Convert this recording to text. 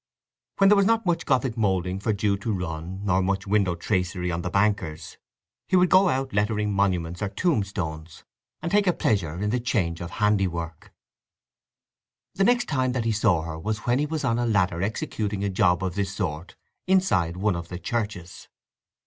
When there was not much Gothic moulding for Jude to run, or much window tracery on the bankers, he would go out lettering monuments or tombstones, and take a pleasure in the change of handiwork. The next time that he saw her was when he was on a ladder executing a job of this sort inside one of the churches.